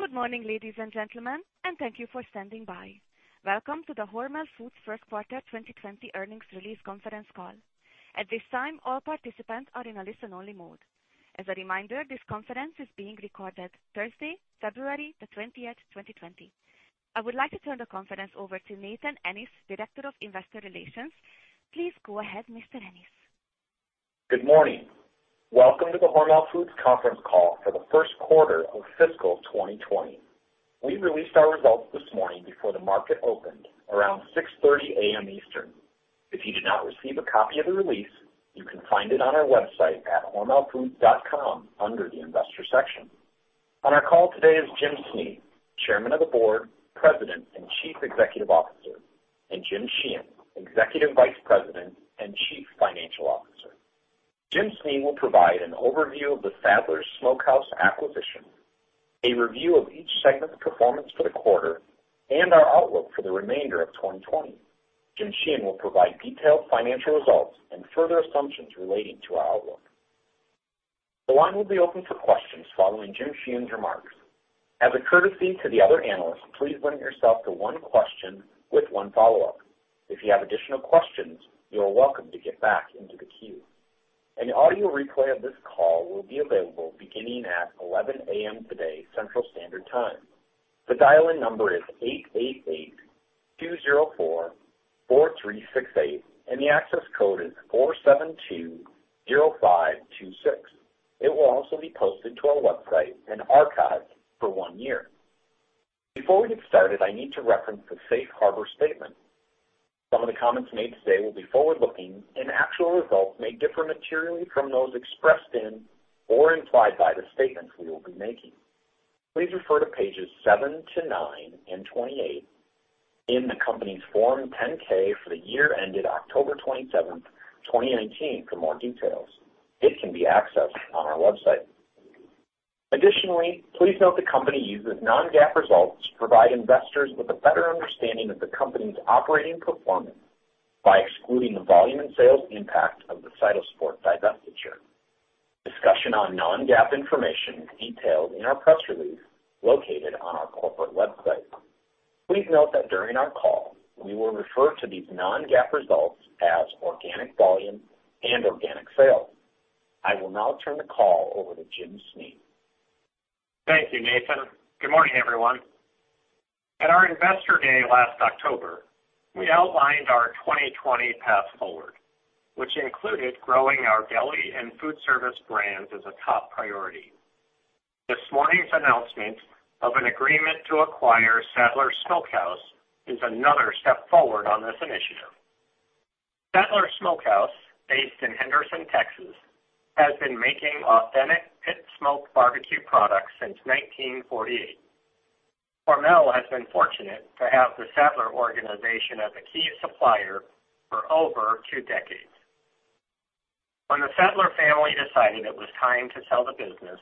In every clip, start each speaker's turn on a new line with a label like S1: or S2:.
S1: Good morning, ladies and gentlemen, and thank you for standing by. Welcome to the Hormel Foods first quarter 2020 earnings release conference call. At this time, all participants are in a listen-only mode. As a reminder, this conference is being recorded on Thursday, February 20, 2020. I would like to turn the conference over to Nathan Annis, Director of Investor Relations. Please go ahead, Mr. Annis.
S2: Good morning. Welcome to the Hormel Foods conference call for the first quarter of fiscal 2020. We released our results this morning before the market opened, around 6:30 AM Eastern. If you did not receive a copy of the release, you can find it on our website at hormelfoods.com under the Investor section. On our call today is Jim Snee, Chairman of the Board, President and Chief Executive Officer, and Jim Sheehan, Executive Vice President and Chief Financial Officer. Jim Snee will provide an overview of the Sadler's Smokehouse acquisition, a review of each segment's performance for the quarter, and our outlook for the remainder of 2020. Jim Sheehan will provide detailed financial results and further assumptions relating to our outlook. The line will be open for questions following Jim Sheehan's remarks. As a courtesy to the other analysts, please limit yourself to one question with one follow-up. If you have additional questions, you are welcome to get back into the queue. An audio replay of this call will be available beginning at 11:00 AM today, Central Standard Time. The dial-in number is 888-204-4368, and the access code is 4720526. It will also be posted to our website and archived for one year. Before we get started, I need to reference the Safe Harbor Statement. Some of the comments made today will be forward-looking, and actual results may differ materially from those expressed in or implied by the statements we will be making. Please refer to pages 7-9 and 28 in the company's Form 10-K for the year ended October 27, 2019, for more details. It can be accessed on our website. Additionally, please note the company uses non-GAAP results to provide investors with a better understanding of the company's operating performance by excluding the volume and sales impact of the CytoSport divestiture. Discussion on non-GAAP information is detailed in our press release located on our corporate website. Please note that during our call, we will refer to these non-GAAP results as organic volume and organic sales. I will now turn the call over to Jim Snee.
S3: Thank you, Nathan. Good morning, everyone. At our Investor Day last October, we outlined our 2020 path forward, which included growing our deli and food service brands as a top priority. This morning's announcement of an agreement to acquire Sadler's Smokehouse is another step forward on this initiative. Sadler's Smokehouse, based in Henderson, Texas, has been making authentic pit smoked barbecue products since 1948. Hormel has been fortunate to have the Sadler organization as a key supplier for over two decades. When the Sadler family decided it was time to sell the business,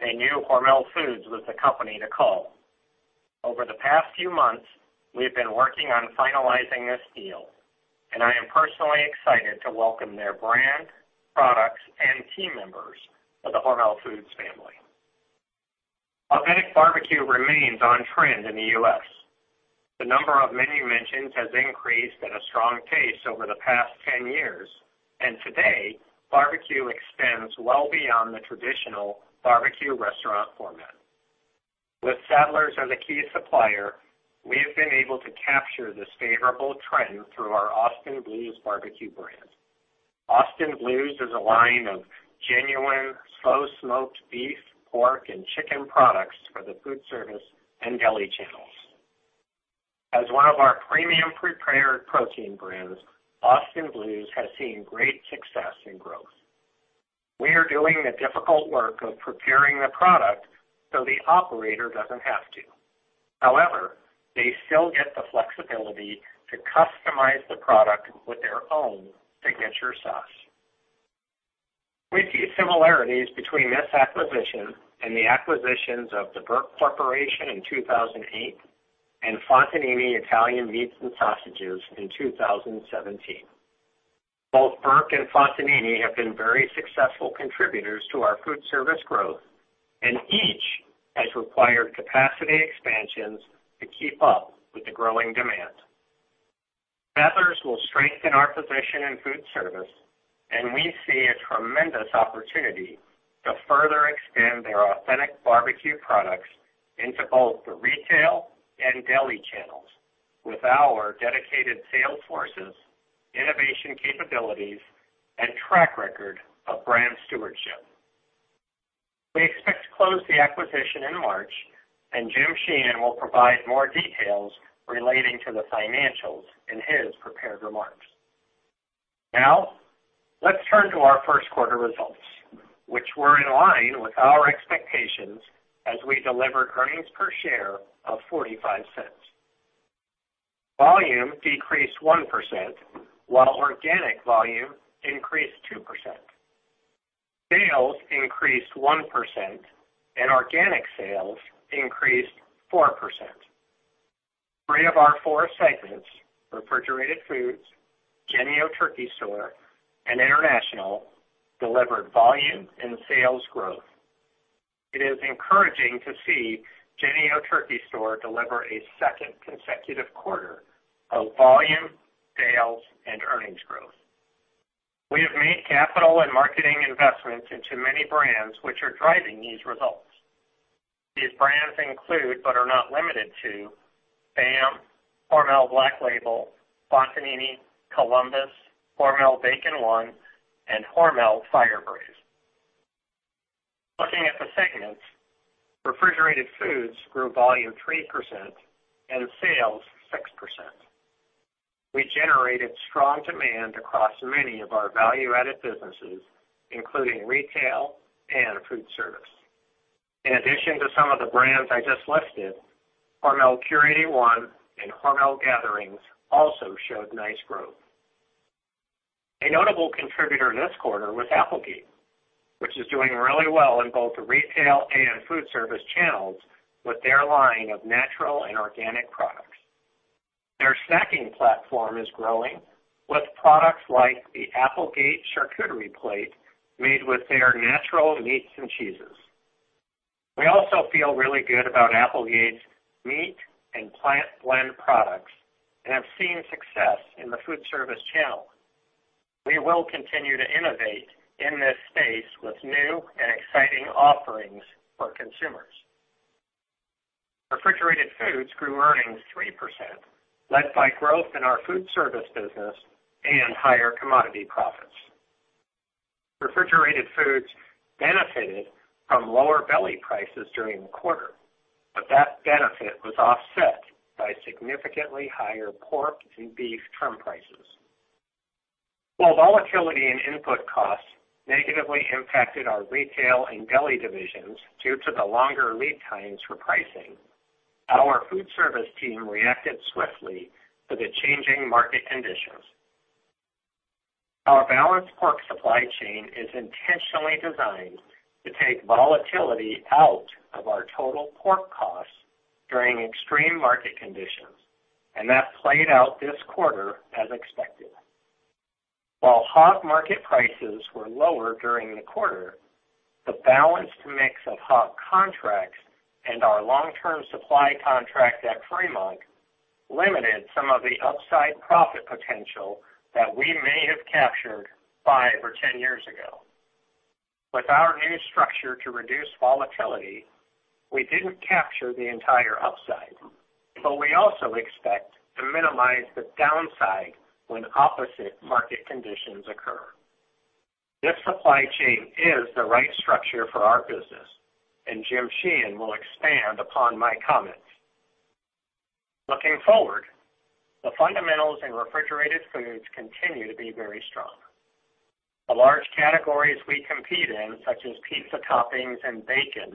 S3: they knew Hormel Foods was the company to call. Over the past few months, we have been working on finalizing this deal, and I am personally excited to welcome their brand, products, and team members to the Hormel Foods family. Authentic barbecue remains on trend in the U.S. The number of menu mentions has increased at a strong pace over the past 10 years, and today, barbecue extends well beyond the traditional barbecue restaurant format. With Sadler as a key supplier, we have been able to capture this favorable trend through our Austin Blues barbecue brand. Austin Blues is a line of genuine, slow-smoked beef, pork, and chicken products for the food service and deli channels. As one of our premium prepared protein brands, Austin Blues has seen great success and growth. We are doing the difficult work of preparing the product so the operator doesn't have to. However, they still get the flexibility to customize the product with their own signature sauce. We see similarities between this acquisition and the acquisitions of the Burke Corporation in 2008 and Fontanini Italian Meats and Sausages in 2017. Both Burke and Fontanini have been very successful contributors to our food service growth, and each has required capacity expansions to keep up with the growing demand. Sadler's will strengthen our position in food service, and we see a tremendous opportunity to further extend their authentic barbecue products into both the retail and deli channels with our dedicated sales forces, innovation capabilities, and track record of brand stewardship. We expect to close the acquisition in March, and Jim Sheehan will provide more details relating to the financials in his prepared remarks. Now, let's turn to our first quarter results, which were in line with our expectations as we delivered earnings per share of $0.45. Volume decreased 1%, while organic volume increased 2%. Sales increased 1%, and organic sales increased 4%. Three of our four segments, Refrigerated Foods, JENNIE-O Turkey Store, and International, delivered volume and sales growth. It is encouraging to see JENNIE-O Turkey Store deliver a second consecutive quarter of volume, sales, and earnings growth. We have made capital and marketing investments into many brands which are driving these results. These brands include, but are not limited to, BAM, Hormel Black Label, Fontanini, Columbus, Hormel Bacon 1, and Hormel Fire Braised. Looking at the segments, Refrigerated Foods grew volume 3% and sales 6%. We generated strong demand across many of our value-added businesses, including retail and food service. In addition to some of the brands I just listed, Hormel Cure 81 and Hormel Gatherings also showed nice growth. A notable contributor this quarter was Applegate, which is doing really well in both the retail and food service channels with their line of natural and organic products. Their snacking platform is growing with products like the Applegate Charcuterie Plate made with their natural meats and cheeses. We also feel really good about Applegate's meat and plant-blend products and have seen success in the food service channel. We will continue to innovate in this space with new and exciting offerings for consumers. Refrigerated Foods grew earnings 3%, led by growth in our food service business and higher commodity profits. Refrigerated Foods benefited from lower deli prices during the quarter, but that benefit was offset by significantly higher pork and beef trim prices. While volatility in input costs negatively impacted our retail and deli divisions due to the longer lead times for pricing, our food service team reacted swiftly to the changing market conditions. Our balanced pork supply chain is intentionally designed to take volatility out of our total pork costs during extreme market conditions, and that played out this quarter as expected. While hog market prices were lower during the quarter, the balanced mix of hog contracts and our long-term supply contract at Fremont limited some of the upside profit potential that we may have captured five or 10 years ago. With our new structure to reduce volatility, we did not capture the entire upside, but we also expect to minimize the downside when opposite market conditions occur. This supply chain is the right structure for our business, and Jim Sheehan will expand upon my comments. Looking forward, the fundamentals in Refrigerated Foods continue to be very strong. The large categories we compete in, such as pizza toppings and bacon,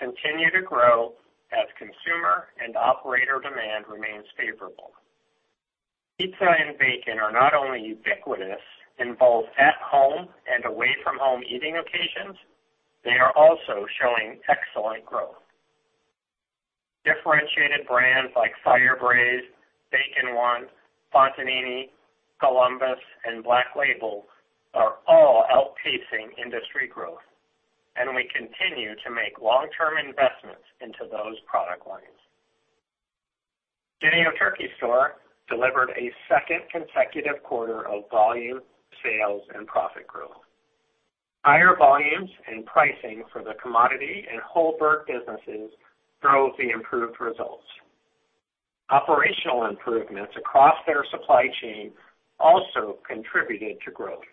S3: continue to grow as consumer and operator demand remains favorable. Pizza and bacon are not only ubiquitous in both at-home and away-from-home eating occasions, they are also showing excellent growth. Differentiated brands like Fire Braised, Bacon 1, Fontanini, Columbus, and Black Label are all outpacing industry growth, and we continue to make long-term investments into those product lines. JENNIE-O Turkey Store delivered a second consecutive quarter of volume, sales, and profit growth. Higher volumes and pricing for the commodity and whole-bird businesses drove the improved results. Operational improvements across their supply chain also contributed to growth.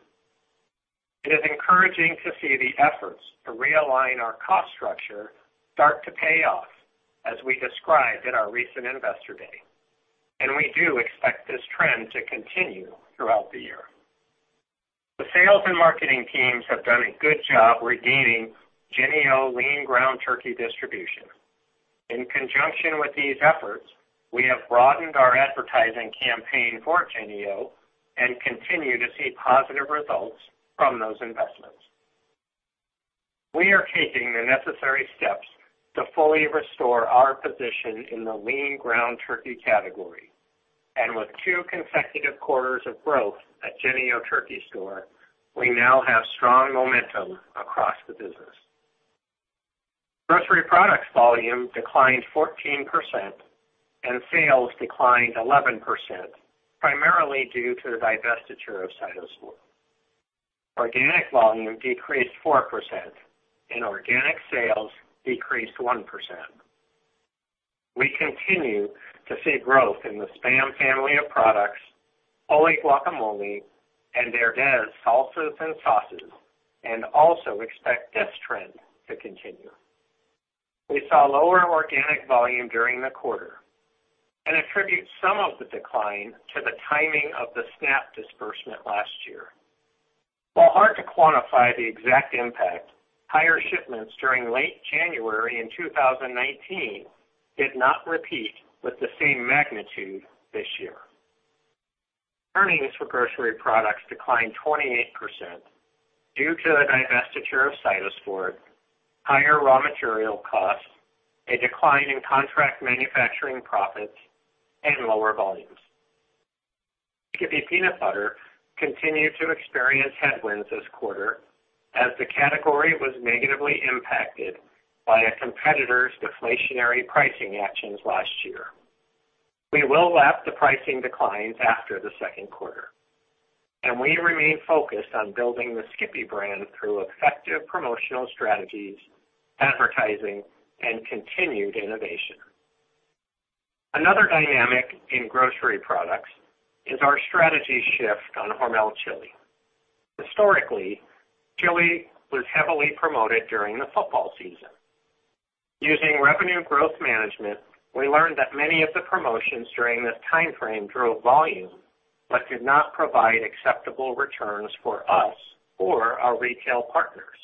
S3: It is encouraging to see the efforts to realign our cost structure start to pay off, as we described at our recent Investor Day, and we do expect this trend to continue throughout the year. The sales and marketing teams have done a good job regaining JENNIE-O lean ground turkey distribution. In conjunction with these efforts, we have broadened our advertising campaign for JENNIE-O and continue to see positive results from those investments. We are taking the necessary steps to fully restore our position in the lean ground turkey category, and with two consecutive quarters of growth at JENNIE-O Turkey Store, we now have strong momentum across the business. Grocery products volume declined 14%, and sales declined 11%, primarily due to the divestiture of CytoSport. Organic volume decreased 4%, and organic sales decreased 1%. We continue to see growth in the SPAM family of products, Wholly Guacamole, and Herdez salsas and sauces, and also expect this trend to continue. We saw lower organic volume during the quarter and attribute some of the decline to the timing of the SNAP disbursement last year. While hard to quantify the exact impact, higher shipments during late January in 2019 did not repeat with the same magnitude this year. Earnings for grocery products declined 28% due to the divestiture of CytoSport, higher raw material costs, a decline in contract manufacturing profits, and lower volumes. Skippy Peanut Butter continued to experience headwinds this quarter as the category was negatively impacted by a competitor's deflationary pricing actions last year. We will lap the pricing declines after the second quarter, and we remain focused on building the Skippy brand through effective promotional strategies, advertising, and continued innovation. Another dynamic in grocery products is our strategy shift on Hormel Chili. Historically, chili was heavily promoted during the football season. Using revenue growth management, we learned that many of the promotions during this timeframe drove volume but did not provide acceptable returns for us or our retail partners.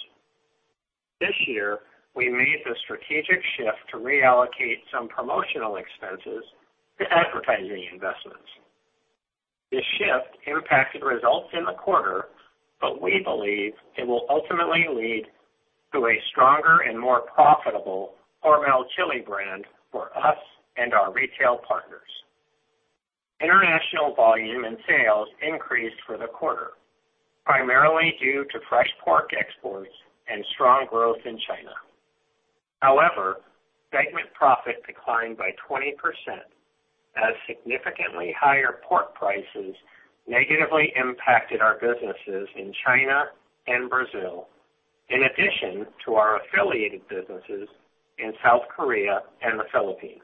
S3: This year, we made the strategic shift to reallocate some promotional expenses to advertising investments. This shift impacted results in the quarter, but we believe it will ultimately lead to a stronger and more profitable Hormel Chili brand for us and our retail partners. International volume and sales increased for the quarter, primarily due to fresh pork exports and strong growth in China. However, segment profit declined by 20% as significantly higher pork prices negatively impacted our businesses in China and Brazil, in addition to our affiliated businesses in South Korea and the Philippines.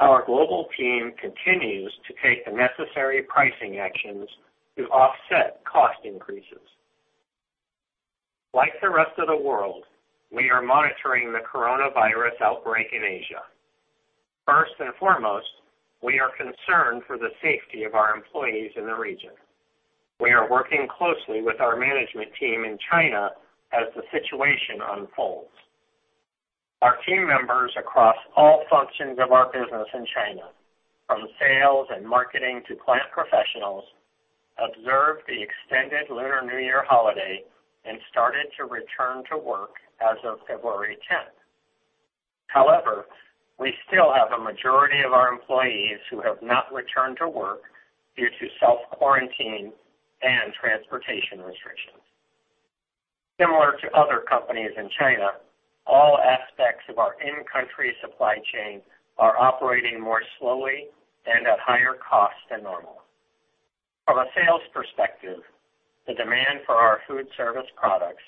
S3: Our global team continues to take the necessary pricing actions to offset cost increases. Like the rest of the world, we are monitoring the coronavirus outbreak in Asia. First and foremost, we are concerned for the safety of our employees in the region. We are working closely with our management team in China as the situation unfolds. Our team members across all functions of our business in China, from sales and marketing to plant professionals, observed the extended Lunar New Year holiday and started to return to work as of February 10. However, we still have a majority of our employees who have not returned to work due to self-quarantine and transportation restrictions. Similar to other companies in China, all aspects of our in-country supply chain are operating more slowly and at higher costs than normal. From a sales perspective, the demand for our food service products,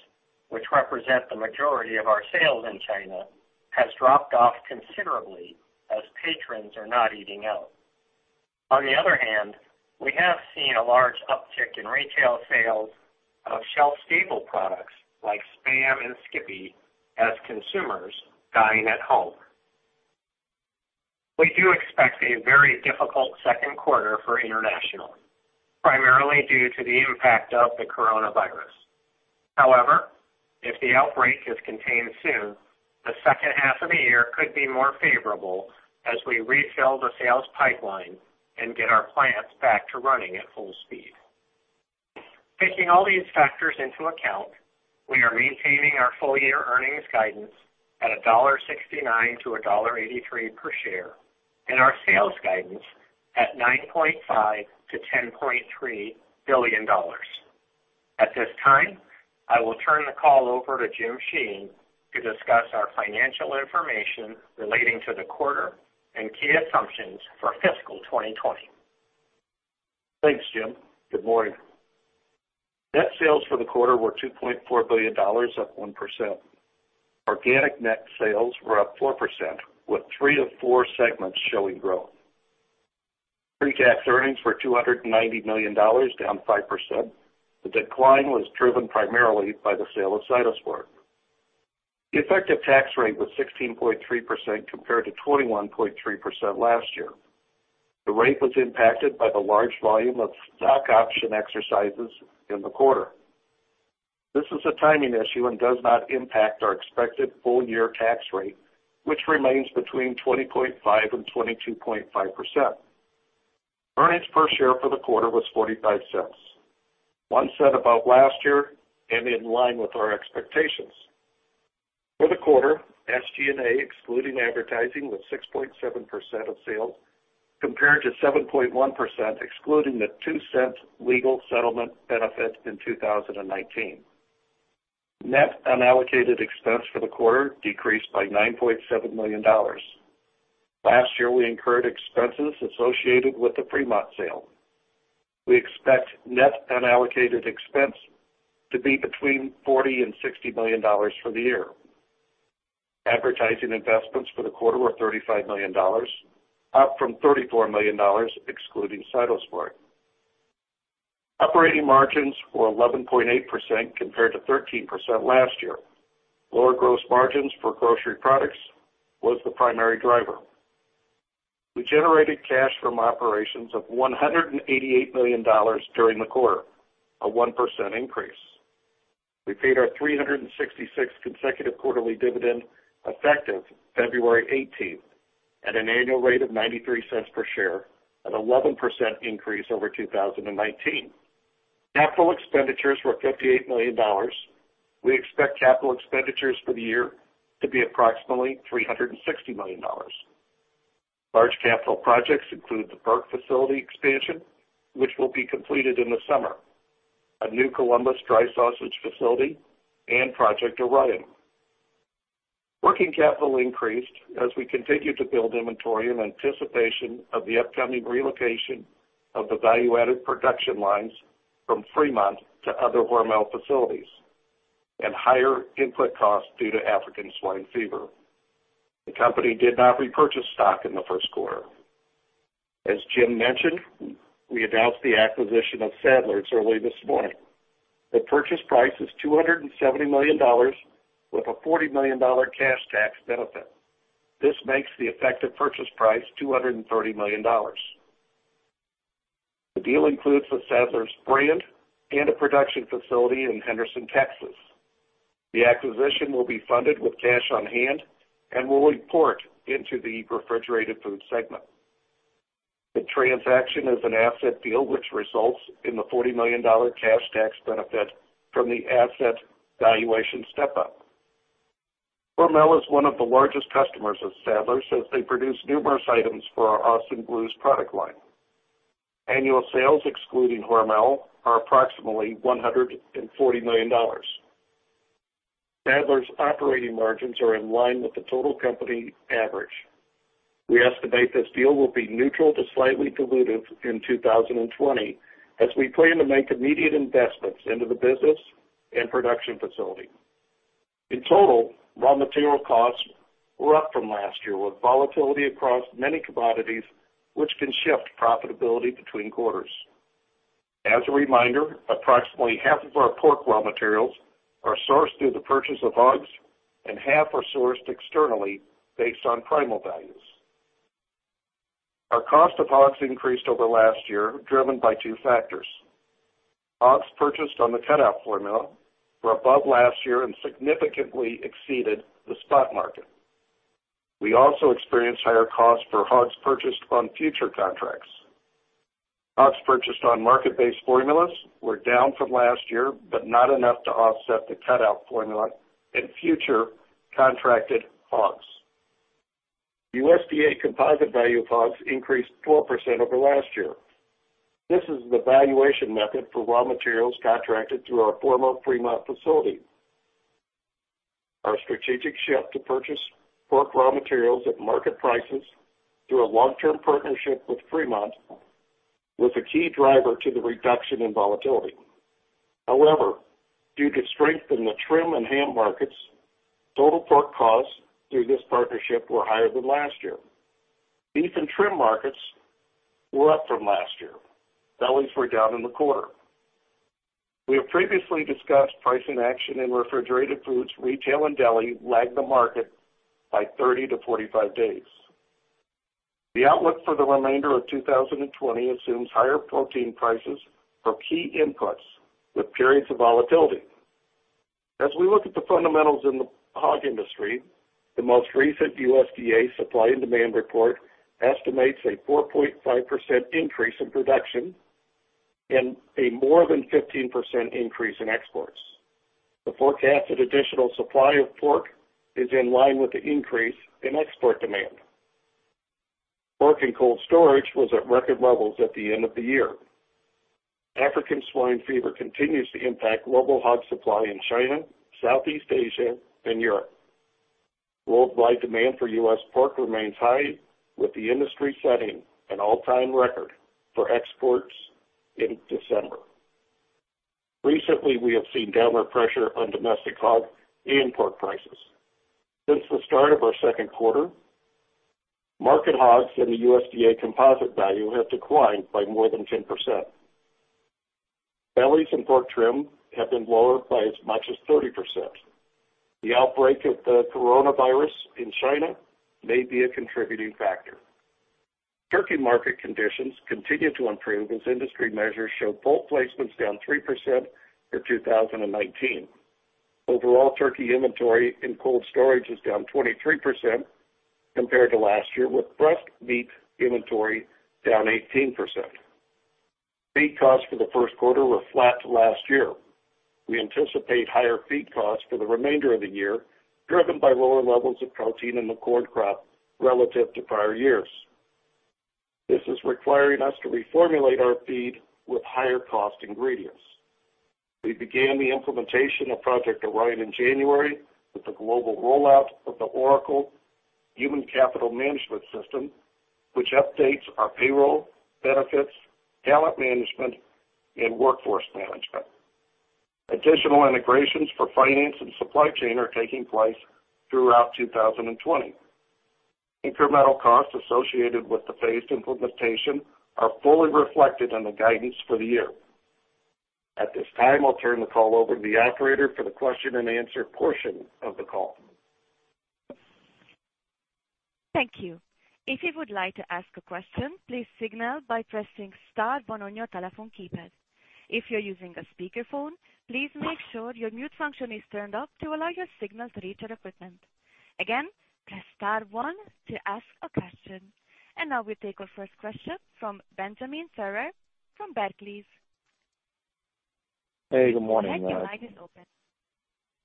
S3: which represent the majority of our sales in China, has dropped off considerably as patrons are not eating out. On the other hand, we have seen a large uptick in retail sales of shelf-stable products like SPAM and Skippy as consumers dining at home. We do expect a very difficult second quarter for international, primarily due to the impact of the coronavirus. However, if the outbreak is contained soon, the second half of the year could be more favorable as we refill the sales pipeline and get our plants back to running at full speed. Taking all these factors into account, we are maintaining our full-year earnings guidance at $1.69-$1.83 per share and our sales guidance at $9.5 billion-$10.3 billion. At this time, I will turn the call over to Jim Sheehan to discuss our financial information relating to the quarter and key assumptions for fiscal 2020.
S4: Thanks, Jim. Good morning. Net sales for the quarter were $2.4 billion, up 1%. Organic net sales were up 4%, with three of four segments showing growth. Pre-tax earnings were $290 million, down 5%. The decline was driven primarily by the sale of CytoSport. The effective tax rate was 16.3% compared to 21.3% last year. The rate was impacted by the large volume of stock option exercises in the quarter. This is a timing issue and does not impact our expected full-year tax rate, which remains between 20.5% and 22.5%. Earnings per share for the quarter was $0.45, one cent above last year and in line with our expectations. For the quarter, SG&A excluding advertising was 6.7% of sales compared to 7.1% excluding the two-cent legal settlement benefit in 2019. Net unallocated expense for the quarter decreased by $9.7 million. Last year, we incurred expenses associated with the Fremont sale. We expect net unallocated expense to be between $40 million and $60 million for the year. Advertising investments for the quarter were $35 million, up from $34 million excluding CytoSport. Operating margins were 11.8% compared to 13% last year. Lower gross margins for grocery products were the primary driver. We generated cash from operations of $188 million during the quarter, a 1% increase. We paid our 366th consecutive quarterly dividend effective February 18th at an annual rate of $0.93 per share, an 11% increase over 2019. Capital expenditures were $58 million. We expect capital expenditures for the year to be approximately $360 million. Large capital projects include the Burke facility expansion, which will be completed in the summer, a new Columbus dry sausage facility, and Project Orion. Working capital increased as we continue to build inventory in anticipation of the upcoming relocation of the value-added production lines from Fremont to other Hormel facilities and higher input costs due to African swine fever. The company did not repurchase stock in the first quarter. As Jim mentioned, we announced the acquisition of Sadler's early this morning. The purchase price is $270 million, with a $40 million cash tax benefit. This makes the effective purchase price $230 million. The deal includes the Sadler's brand and a production facility in Henderson, Texas. The acquisition will be funded with cash on hand and will import into the refrigerated food segment. The transaction is an asset deal which results in the $40 million cash tax benefit from the asset valuation step-up. Hormel is one of the largest customers of Sadler's as they produce numerous items for our Austin Blues product line. Annual sales excluding Hormel are approximately $140 million. Sadler's operating margins are in line with the total company average. We estimate this deal will be neutral to slightly diluted in 2020 as we plan to make immediate investments into the business and production facility. In total, raw material costs were up from last year, with volatility across many commodities, which can shift profitability between quarters. As a reminder, approximately half of our pork raw materials are sourced through the purchase of hogs, and half are sourced externally based on primal values. Our cost of hogs increased over last year, driven by two factors. Hogs purchased on the cutoff formula were above last year and significantly exceeded the spot market. We also experienced higher costs for hogs purchased on future contracts. Hogs purchased on market-based formulas were down from last year, but not enough to offset the cutoff formula and future contracted hogs. USDA composite value of hogs increased 4% over last year. This is the valuation method for raw materials contracted through our former Fremont facility. Our strategic shift to purchase pork raw materials at market prices through a long-term partnership with Fremont was a key driver to the reduction in volatility. However, due to strength in the trim and ham markets, total pork costs through this partnership were higher than last year. Beef and trim markets were up from last year. Delis were down in the quarter. We have previously discussed pricing action in refrigerated foods; retail and deli lag the market by 30 to 45 days. The outlook for the remainder of 2020 assumes higher protein prices for key inputs with periods of volatility. As we look at the fundamentals in the hog industry, the most recent USDA supply and demand report estimates a 4.5% increase in production and a more than 15% increase in exports. The forecasted additional supply of pork is in line with the increase in export demand. Pork in cold storage was at record levels at the end of the year. African swine fever continues to impact global hog supply in China, Southeast Asia, and Europe. Worldwide demand for U.S. pork remains high, with the industry setting an all-time record for exports in December. Recently, we have seen downward pressure on domestic hog and pork prices. Since the start of our second quarter, market hogs and the USDA composite value have declined by more than 10%. Bellies and pork trim have been lowered by as much as 30%. The outbreak of the coronavirus in China may be a contributing factor. Turkey market conditions continue to improve as industry measures show poult placements down 3% for 2019. Overall, turkey inventory in cold storage is down 23% compared to last year, with breast meat inventory down 18%. Feed costs for the first quarter were flat to last year. We anticipate higher feed costs for the remainder of the year, driven by lower levels of protein in the corn crop relative to prior years. This is requiring us to reformulate our feed with higher-cost ingredients. We began the implementation of Project Orion in January with the global rollout of the Oracle Human Capital Management System, which updates our payroll, benefits, talent management, and workforce management. Additional integrations for finance and supply chain are taking place throughout 2020. Incremental costs associated with the phased implementation are fully reflected in the guidance for the year. At this time, I'll turn the call over to the operator for the question-and-answer portion of the call.
S1: Thank you. If you would like to ask a question, please signal by pressing star one on your telephone keypad. If you're using a speakerphone, please make sure your mute function is turned off to allow your signal to reach your equipment. Again, press star one to ask a question. Now we take our first question from Benjamin M. Theurer from Barclays.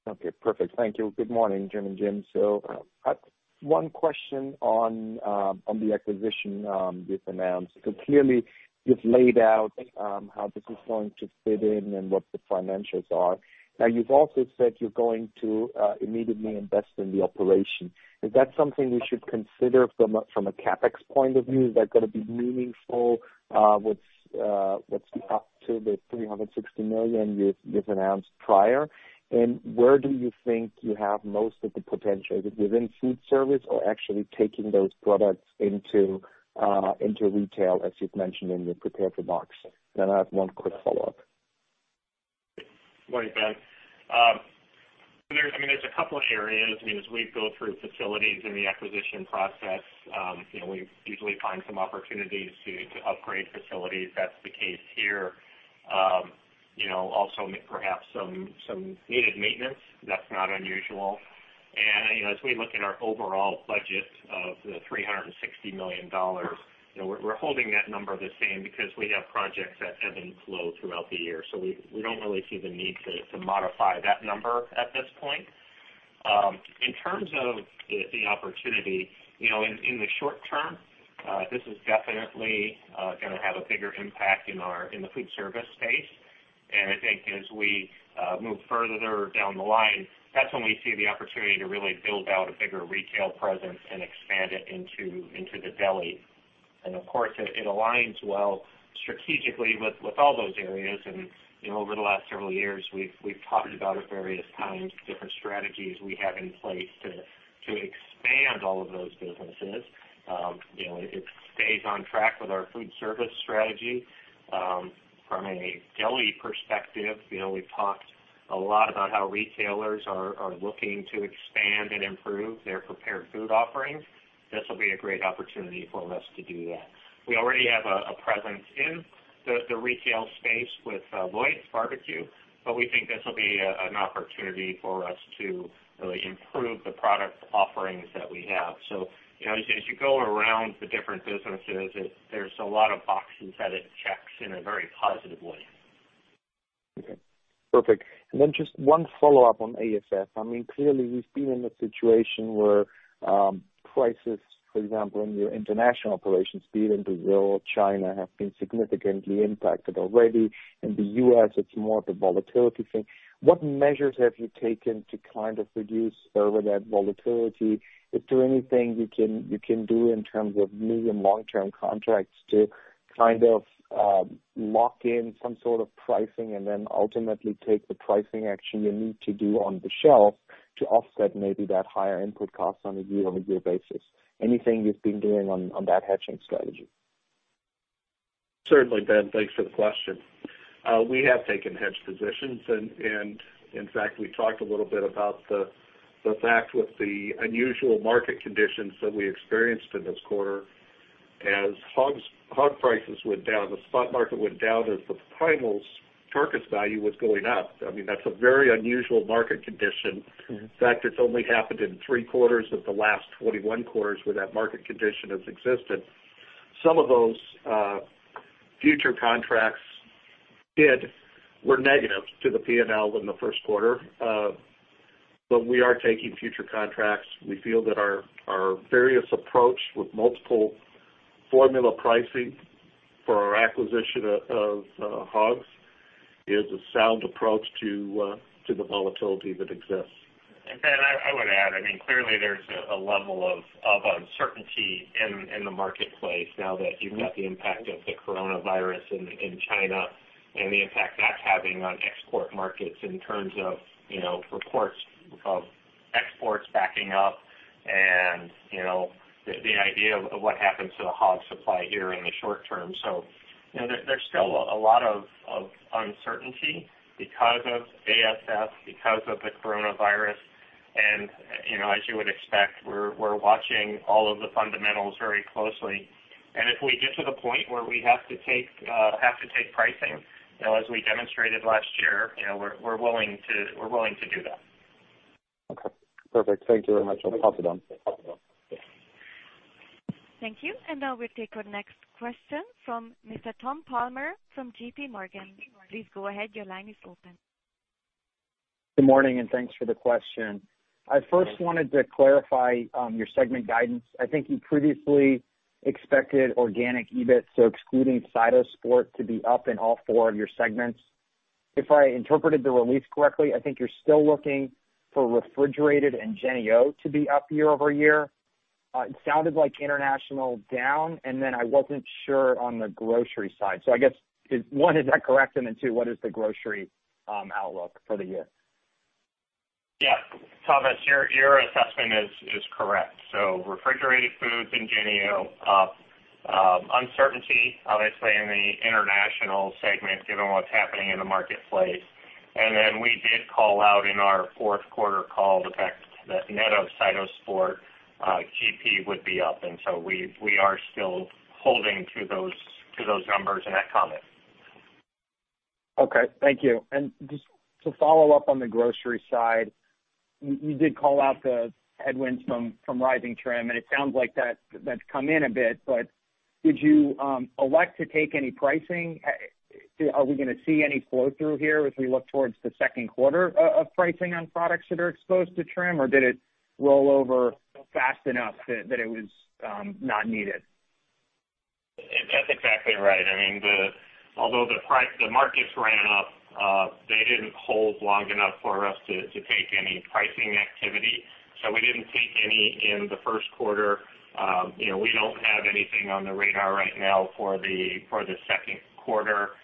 S5: Okay, perfect. Thank you. Good morning, Jim and Jim. I have one question on the acquisition you've announced. Clearly, you've laid out how this is going to fit in and what the financials are. You've also said you're going to immediately invest in the operation. Is that something we should consider from a CapEx point of view? Is that going to be meaningful with what's up to the $360 million you've announced prior? Where do you think you have most of the potential? Is it within food service or actually taking those products into retail, as you've mentioned in your prepared remarks? I have one quick follow-up.
S3: Good morning, Ben. I mean, there's a couple of areas. I mean, as we go through facilities in the acquisition process, we usually find some opportunities to upgrade facilities. That's the case here. Also, perhaps some needed maintenance. That's not unusual. As we look at our overall budget of the $360 million, we're holding that number the same because we have projects that ebb and flow throughout the year. We don't really see the need to modify that number at this point. In terms of the opportunity, in the short term, this is definitely going to have a bigger impact in the food service space. I think as we move further down the line, that's when we see the opportunity to really build out a bigger retail presence and expand it into the deli. Of course, it aligns well strategically with all those areas. Over the last several years, we've talked about it at various times, different strategies we have in place to expand all of those businesses. It stays on track with our food service strategy. From a deli perspective, we've talked a lot about how retailers are looking to expand and improve their prepared food offerings. This will be a great opportunity for us to do that. We already have a presence in the retail space with Loy's barbecue, but we think this will be an opportunity for us to really improve the product offerings that we have. As you go around the different businesses, there's a lot of boxes that it checks in a very positive way.
S5: Okay. Perfect. And then just one follow-up on ASF. I mean, clearly, we've been in a situation where prices, for example, in your international operations being in Brazil, China have been significantly impacted already. In the U.S., it's more of a volatility thing. What measures have you taken to kind of reduce further that volatility? Is there anything you can do in terms of medium-long-term contracts to kind of lock in some sort of pricing and then ultimately take the pricing action you need to do on the shelf to offset maybe that higher input cost on a year-on-year basis? Anything you've been doing on that hedging strategy?
S4: Certainly, Ben, thanks for the question. We have taken hedged positions. In fact, we talked a little bit about the fact with the unusual market conditions that we experienced in this quarter. As hog prices went down, the spot market went down as the primal's carcass value was going up. I mean, that's a very unusual market condition. In fact, it's only happened in three quarters of the last 21 quarters where that market condition has existed. Some of those future contracts were negative to the P&L in the first quarter. We are taking future contracts. We feel that our various approach with multiple formula pricing for our acquisition of hogs is a sound approach to the volatility that exists.
S3: I would add, I mean, clearly, there is a level of uncertainty in the marketplace now that you have got the impact of the coronavirus in China and the impact that is having on export markets in terms of reports of exports backing up and the idea of what happens to the hog supply here in the short term. There is still a lot of uncertainty because of ASF, because of the coronavirus. As you would expect, we are watching all of the fundamentals very closely. If we get to the point where we have to take pricing, as we demonstrated last year, we are willing to do that.
S5: Okay. Perfect. Thank you very much. I will pass it on.
S1: Thank you. We take our next question from Mr. Thomas Hinsdale Palmer from JPMorgan. Please go ahead. Your line is open.
S6: Good morning, and thanks for the question. I first wanted to clarify your segment guidance. I think you previously expected organic EBIT, so excluding CytoSport, to be up in all four of your segments. If I interpreted the release correctly, I think you're still looking for refrigerated and JENNIE-O to be up year over year. It sounded like international down, and then I wasn't sure on the grocery side. I guess, one, is that correct? What is the grocery outlook for the year?
S3: Yeah. Thomas, your assessment is correct. Refrigerated foods and JENNIE-O up. Uncertainty, obviously, in the international segment given what's happening in the marketplace. We did call out in our fourth quarter call that net of CytoSport, grocery products would be up. We are still holding to those numbers and that comment.
S6: Okay. Thank you. Just to follow up on the grocery side, you did call out the headwinds from rising trim, and it sounds like that's come in a bit. Did you elect to take any pricing? Are we going to see any flow through here as we look towards the second quarter of pricing on products that are exposed to trim, or did it roll over fast enough that it was not needed?
S3: That's exactly right. I mean, although the markets ran up, they did not hold long enough for us to take any pricing activity. We did not take any in the first quarter. We do not have anything on the radar right now for the second quarter.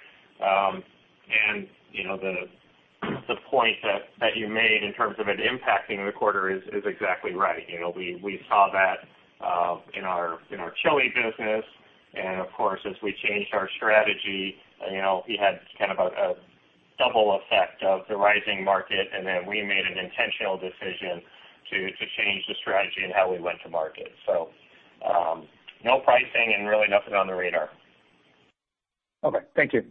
S3: The point that you made in terms of it impacting the quarter is exactly right. We saw that in our chili business. Of course, as we changed our strategy, we had kind of a double effect of the rising market, and then we made an intentional decision to change the strategy and how we went to market. No pricing and really nothing on the radar.
S6: Okay. Thank you.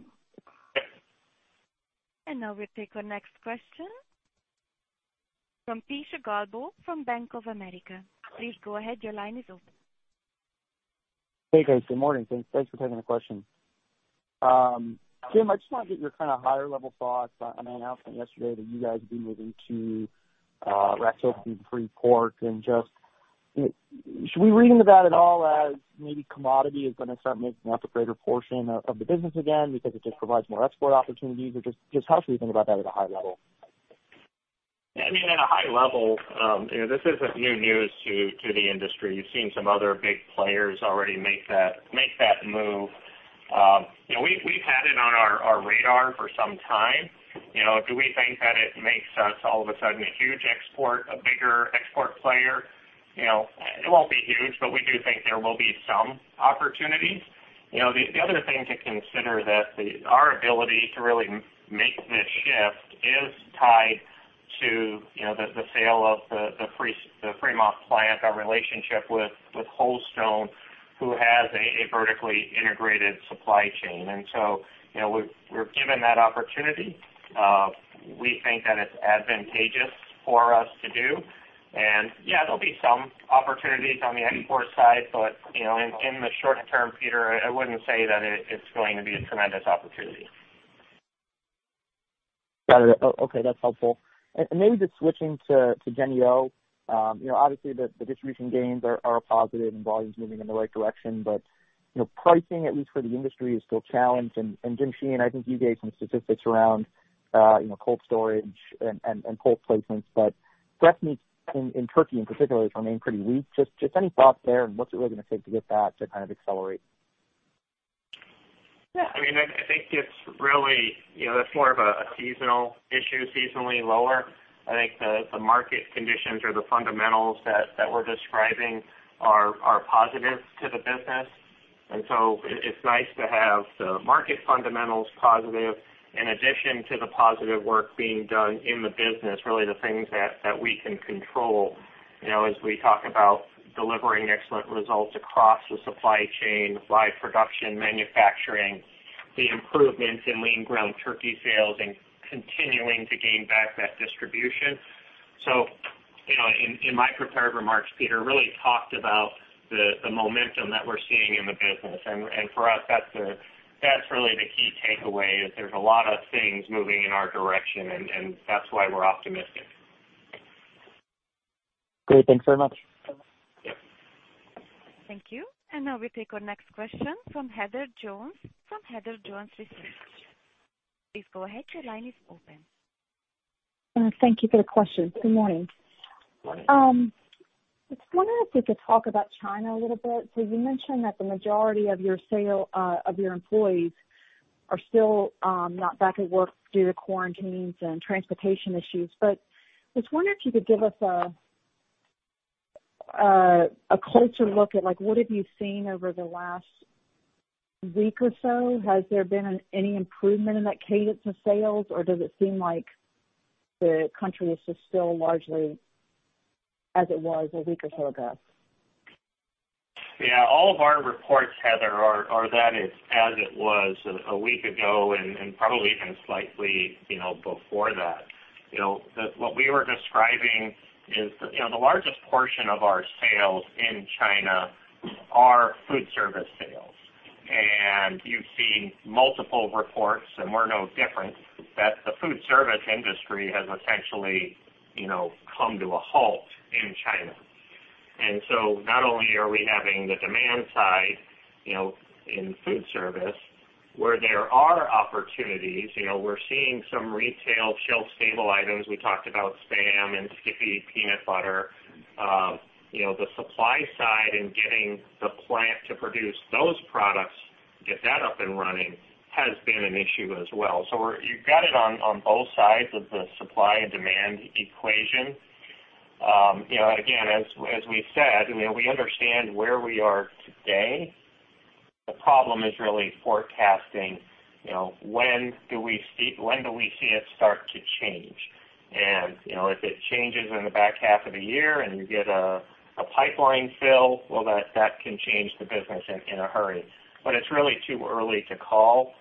S1: Now we take our next question from Peter Galbo from Bank of America. Please go ahead. Your line is open.
S7: Hey, guys. Good morning. Thanks for taking the question. Jim, I just want to get your kind of higher-level thoughts. I mean, I asked you yesterday that you guys would be moving to racks opening free pork and just should we reason about it all as maybe commodity is going to start making up a greater portion of the business again because it just provides more export opportunities? Or just how should we think about that at a high level?
S3: I mean, at a high level, this isn't new news to the industry. You've seen some other big players already make that move. We've had it on our radar for some time. Do we think that it makes us all of a sudden a huge export, a bigger export player? It won't be huge, but we do think there will be some opportunities. The other thing to consider is that our ability to really make this shift is tied to the sale of the Fremont Plant, our relationship with Holstone, who has a vertically integrated supply chain. We are given that opportunity. We think that it's advantageous for us to do. Yeah, there'll be some opportunities on the export side, but in the short term, Peter, I wouldn't say that it's going to be a tremendous opportunity.
S7: Got it. Okay. That's helpful. Maybe just switching to JENNIE-O. Obviously, the distribution gains are positive and volumes moving in the right direction, but pricing, at least for the industry, is still challenged. And Jim Sheehan, I think you gave some statistics around cold storage and cold placements, but breast meat in turkey in particular has remained pretty weak. Just any thoughts there and what is it really going to take to get that to kind of accelerate?
S3: Yeah. I mean, I think it is really that is more of a seasonal issue, seasonally lower. I think the market conditions or the fundamentals that we are describing are positive to the business. It is nice to have the market fundamentals positive in addition to the positive work being done in the business, really the things that we can control as we talk about delivering excellent results across the supply chain, live production, manufacturing, the improvements in lean ground turkey sales, and continuing to gain back that distribution. In my prepared remarks, Peter really talked about the momentum that we are seeing in the business. For us, that is really the key takeaway. There are a lot of things moving in our direction, and that is why we are optimistic.
S7: Great. Thanks very much.
S1: Thank you. Now we take our next question from Heather Jones from Heather Jones Research. Please go ahead. Your line is open.
S8: Thank you for the question. Good morning. I was wondering if we could talk about China a little bit. You mentioned that the majority of your employees are still not back at work due to quarantines and transportation issues. I was wondering if you could give us a closer look at what have you seen over the last week or so? Has there been any improvement in that cadence of sales, or does it seem like the country is still largely as it was a week or so ago?
S3: Yeah. All of our reports, Heather, are that it is as it was a week ago and probably even slightly before that. What we were describing is the largest portion of our sales in China are food service sales. You have seen multiple reports, and we are no different, that the food service industry has essentially come to a halt in China. Not only are we having the demand side in food service where there are opportunities, we're seeing some retail shelf-stable items. We talked about SPAM and Skippy peanut butter. The supply side and getting the plant to produce those products, get that up and running, has been an issue as well. You have it on both sides of the supply and demand equation. Again, as we said, we understand where we are today. The problem is really forecasting when do we see it start to change? If it changes in the back half of the year and you get a pipeline fill, that can change the business in a hurry. It is really too early to call.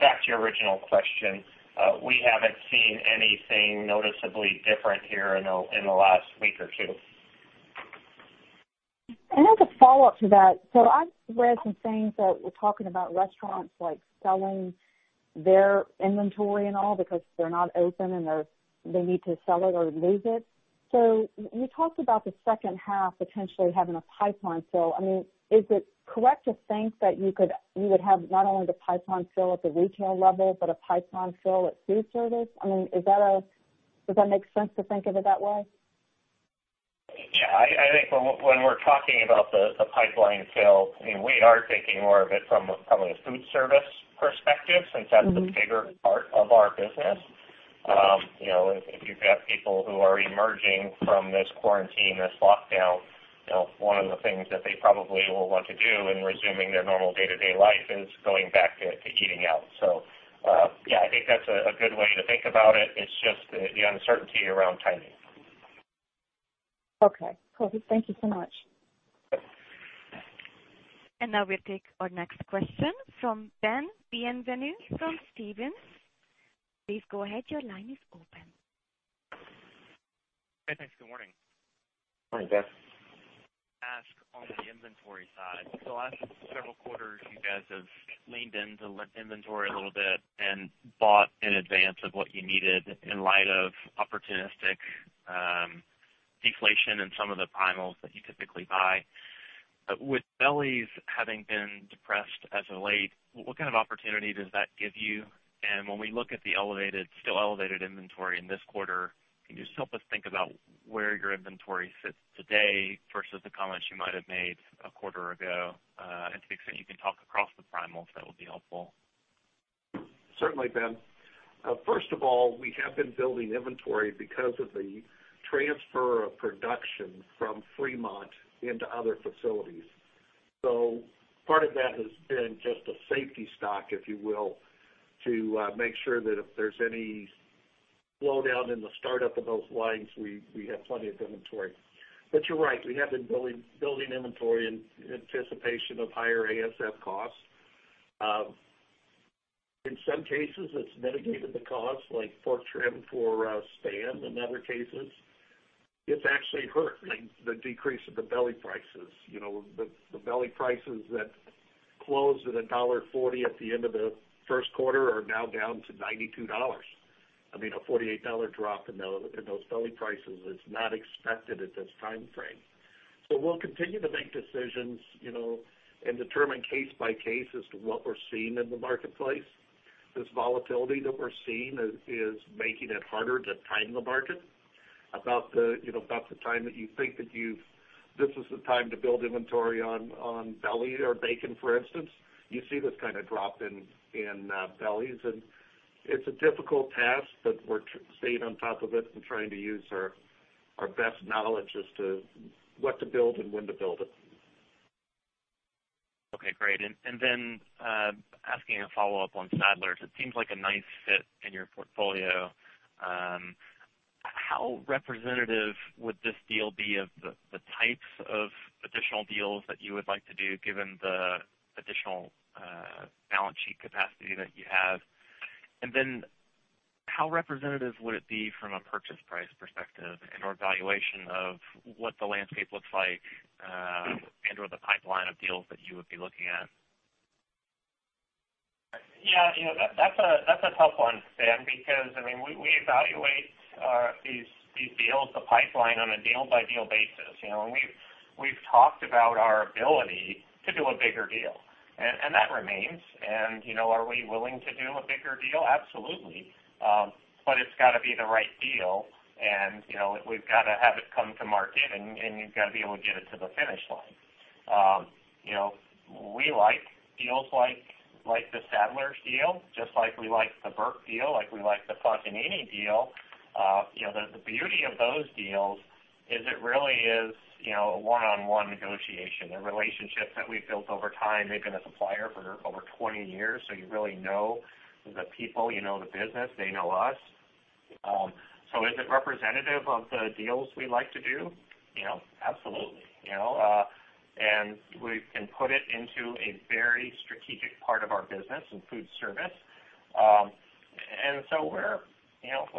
S3: Back to your original question, we have not seen anything noticeably different here in the last week or two.
S8: As a follow-up to that, I've read some things that were talking about restaurants selling their inventory and all because they're not open and they need to sell it or lose it. You talked about the second half potentially having a pipeline fill. I mean, is it correct to think that you would have not only the pipeline fill at the retail level but a pipeline fill at food service? I mean, does that make sense to think of it that way?
S3: Yeah. I think when we're talking about the pipeline fill, we are thinking more of it from a food service perspective since that's a bigger part of our business. If you've got people who are emerging from this quarantine, this lockdown, one of the things that they probably will want to do in resuming their normal day-to-day life is going back to eating out. Yeah, I think that's a good way to think about it. It's just the uncertainty around timing.
S8: Okay. Perfect. Thank you so much.
S1: Now we take our next question from Ben Bienvenu from Stephens. Please go ahead. Your line is open.
S9: Hey, thanks. Good morning.
S3: Morning, Ben.
S9: Ask on the inventory side. Last several quarters, you guys have leaned into inventory a little bit and bought in advance of what you needed in light of opportunistic deflation and some of the primals that you typically buy. With delis having been depressed as of late, what kind of opportunity does that give you? When we look at the still elevated inventory in this quarter, can you just help us think about where your inventory sits today versus the comments you might have made a quarter ago? To the extent you can talk across the primals, that would be helpful.
S4: Certainly, Ben. First of all, we have been building inventory because of the transfer of production from Fremont into other facilities. Part of that has been just a safety stock, if you will, to make sure that if there is any slowdown in the startup of those lines, we have plenty of inventory. You are right. We have been building inventory in anticipation of higher ASF costs. In some cases, it has mitigated the cost, like pork trim for SPAM. In other cases, it has actually hurt the decrease of the deli prices. The deli prices that closed at $1.40 at the end of the first quarter are now down to $92. I mean, a $48 drop in those deli prices is not expected at this time frame. We will continue to make decisions and determine case by case as to what we are seeing in the marketplace. This volatility that we are seeing is making it harder to time the market. About the time that you think that this is the time to build inventory on deli or bacon, for instance, you see this kind of drop in delis. It is a difficult task, but we are staying on top of it and trying to use our best knowledge as to what to build and when to build it.
S9: Okay. Great. And then asking a follow-up on Sadler's. It seems like a nice fit in your portfolio. How representative would this deal be of the types of additional deals that you would like to do given the additional balance sheet capacity that you have? How representative would it be from a purchase price perspective and/or valuation of what the landscape looks like and/or the pipeline of deals that you would be looking at?
S3: Yeah. That's a tough one to say because, I mean, we evaluate these deals, the pipeline on a deal-by-deal basis. We have talked about our ability to do a bigger deal. That remains. Are we willing to do a bigger deal? Absolutely. It's got to be the right deal. We have to have it come to market, and you have to be able to get it to the finish line. We like deals like the Sadler's deal, just like we like the Burke deal, like we like the Fontanini deal. The beauty of those deals is it really is a one-on-one negotiation, a relationship that we've built over time. They've been a supplier for over 20 years, so you really know the people, you know the business, they know us. Is it representative of the deals we like to do? Absolutely. We can put it into a very strategic part of our business in food service. If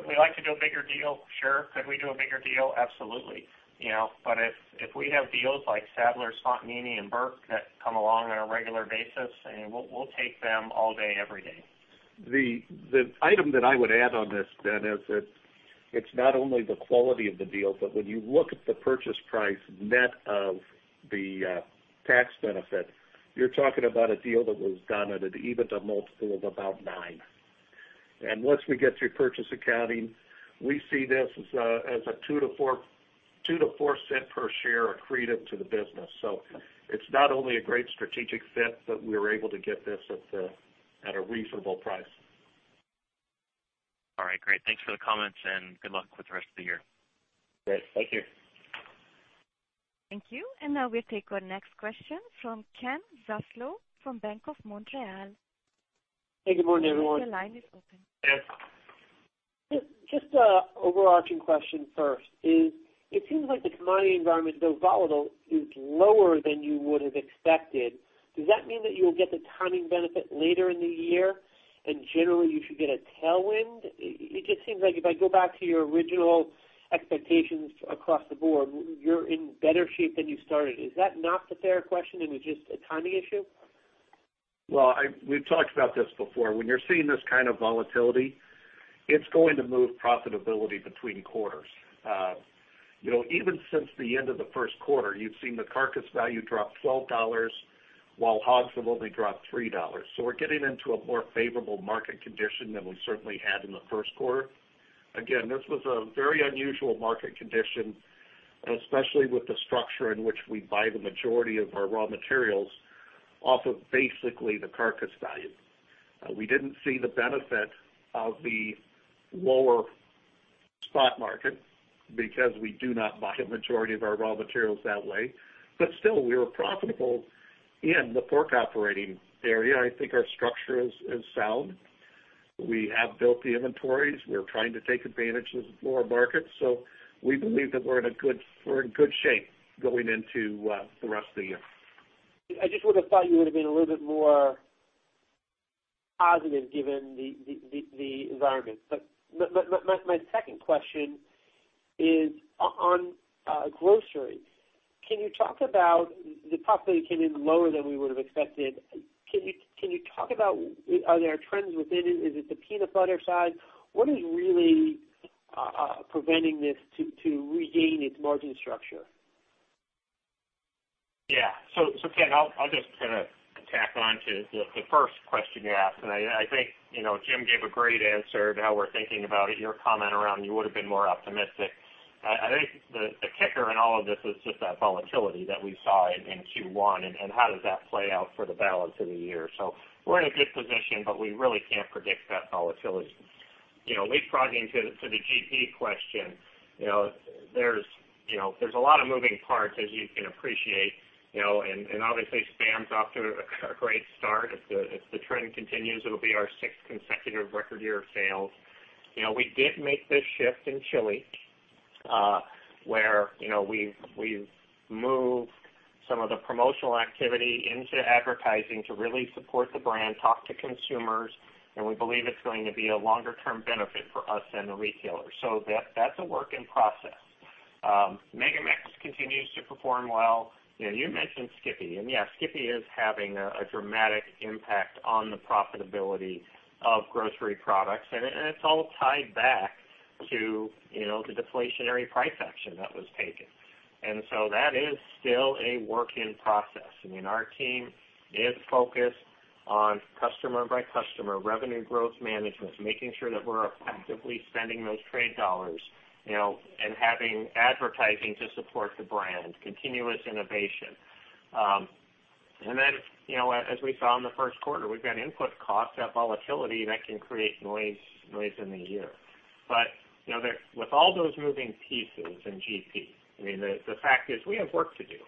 S3: we like to do a bigger deal, sure. Could we do a bigger deal? Absolutely. If we have deals like Sadler's, Fontanini, and Burke that come along on a regular basis, I mean, we'll take them all day, every day.
S4: The item that I would add on this, Ben, is that it's not only the quality of the deal, but when you look at the purchase price net of the tax benefit, you're talking about a deal that was done at an even a multiple of about nine. And once we get through purchase accounting, we see this as a $0.02-$0.04 per share accretive to the business. So it's not only a great strategic fit, but we were able to get this at a reasonable price.
S9: All right. Great. Thanks for the comments and good luck with the rest of the year.
S3: Great. Thank you.
S1: Thank you. Now we take our next question from Ken Zaslow from Bank of Montreal. Hey, good morning, everyone. The line is open.
S10: Yes. Just an overarching question first. It seems like the commodity environment, though volatile, is lower than you would have expected. Does that mean that you'll get the timing benefit later in the year and generally you should get a tailwind? It just seems like if I go back to your original expectations across the board, you're in better shape than you started. Is that not the fair question and it's just a timing issue?
S4: We've talked about this before. When you're seeing this kind of volatility, it's going to move profitability between quarters. Even since the end of the first quarter, you've seen the carcass value drop $12 while hogs have only dropped $3. We're getting into a more favorable market condition than we certainly had in the first quarter. Again, this was a very unusual market condition, especially with the structure in which we buy the majority of our raw materials off of basically the carcass value. We did not see the benefit of the lower spot market because we do not buy a majority of our raw materials that way. Still, we were profitable in the pork operating area. I think our structure is sound. We have built the inventories. We are trying to take advantage of the lower market. We believe that we are in good shape going into the rest of the year.
S10: I just would have thought you would have been a little bit more positive given the environment. My second question is on groceries. Can you talk about the possibility it came in lower than we would have expected? Can you talk about are there trends within it? Is it the peanut butter side? What is really preventing this to regain its margin structure?
S3: Yeah. Again, I'll just kind of tack on to the first question you asked. I think Jim gave a great answer to how we're thinking about it. Your comment around you would have been more optimistic. I think the kicker in all of this is just that volatility that we saw in Q1 and how does that play out for the balance of the year. We're in a good position, but we really can't predict that volatility. Leapfrogging to the GP question, there's a lot of moving parts, as you can appreciate. Obviously, Spam's off to a great start. If the trend continues, it'll be our sixth consecutive record year of sales. We did make this shift in Chili where we've moved some of the promotional activity into advertising to really support the brand, talk to consumers. We believe it's going to be a longer-term benefit for us and the retailers. That is a work in process. Megamix continues to perform well. You mentioned Skippy. Yeah, Skippy is having a dramatic impact on the profitability of grocery products. It's all tied back to the deflationary price action that was taken. That is still a work in process. I mean, our team is focused on customer-by-customer revenue growth management, making sure that we're effectively spending those trade dollars and having advertising to support the brand, continuous innovation. As we saw in the first quarter, we've got input costs, that volatility that can create noise in the year. With all those moving pieces in GP, I mean, the fact is we have work to do.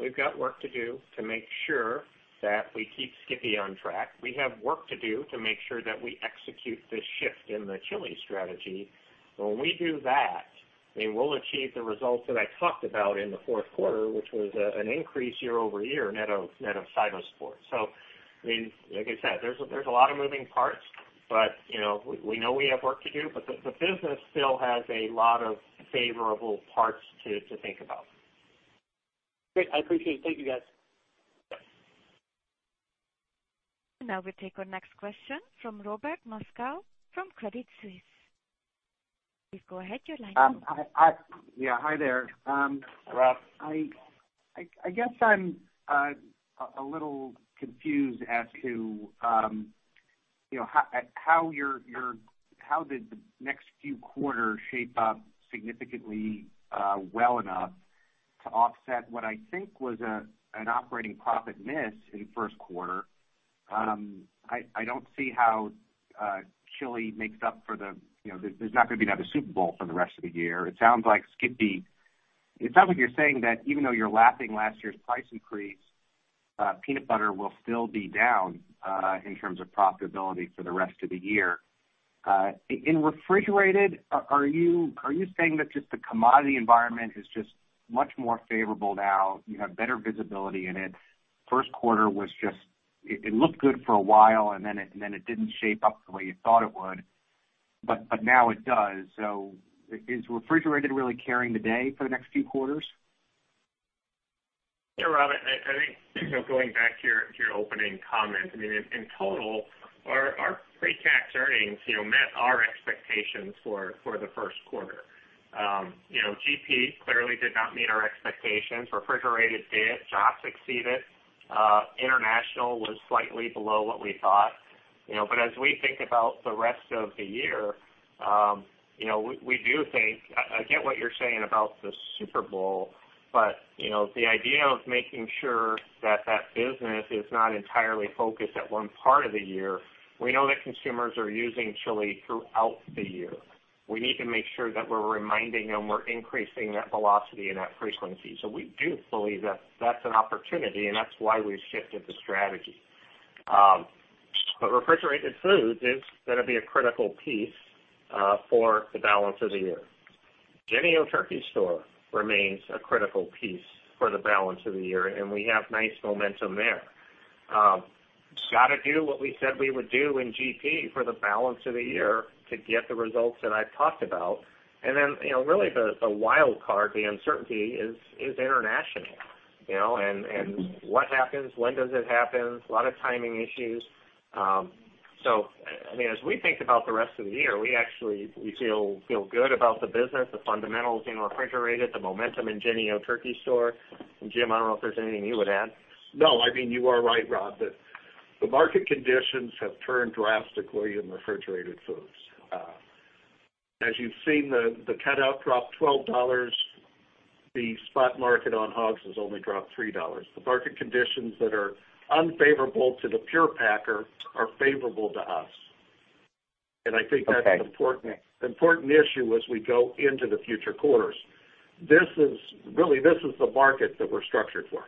S3: We've got work to do to make sure that we keep Skippy on track. We have work to do to make sure that we execute this shift in the Chili strategy. When we do that, I mean, we'll achieve the results that I talked about in the fourth quarter, which was an increase year-over-year net of CytoSport. I mean, like I said, there's a lot of moving parts, but we know we have work to do. The business still has a lot of favorable parts to think about.
S10: Great. I appreciate it. Thank you, guys.
S1: Now we take our next question from Robert Moskow from Credit Suisse. Please go ahead. Your line is open.
S11: Yeah. Hi there. I guess I'm a little confused as to how did the next few quarters shape up significantly well enough to offset what I think was an operating profit miss in the first quarter? I don't see how Chili makes up for the there's not going to be another Super Bowl for the rest of the year. It sounds like Skippy, it sounds like you're saying that even though you're lapping last year's price increase, peanut butter will still be down in terms of profitability for the rest of the year. In refrigerated, are you saying that just the commodity environment is just much more favorable now? You have better visibility in it. First quarter was just it looked good for a while, and then it didn't shape up the way you thought it would. Now it does. Is refrigerated really carrying the day for the next few quarters?
S3: Yeah, Robert, I think going back to your opening comment, I mean, in total, our pre-cash earnings met our expectations for the first quarter. GP clearly did not meet our expectations. Refrigerated did. JOSS exceeded. International was slightly below what we thought. As we think about the rest of the year, we do think I get what you're saying about the Super Bowl, but the idea of making sure that that business is not entirely focused at one part of the year, we know that consumers are using Chili throughout the year. We need to make sure that we're reminding them we're increasing that velocity and that frequency. We do believe that that's an opportunity, and that's why we've shifted the strategy. Refrigerated food is going to be a critical piece for the balance of the year. JENNIE-O Turkey Store remains a critical piece for the balance of the year, and we have nice momentum there. Got to do what we said we would do in GP for the balance of the year to get the results that I've talked about. Really the wild card, the uncertainty, is international. What happens? When does it happen? A lot of timing issues. I mean, as we think about the rest of the year, we feel good about the business, the fundamentals in refrigerated, the momentum in JENNIE-O Turkey Store. Jim, I don't know if there's anything you would add.
S4: No, I mean, you are right, Rob. The market conditions have turned drastically in refrigerated foods. As you've seen, the cutout dropped $12. The spot market on hogs has only dropped $3. The market conditions that are unfavorable to the pure packer are favorable to us. I think that's the important issue as we go into the future quarters. Really, this is the market that we're structured for.